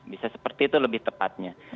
bisa seperti itu lebih tepatnya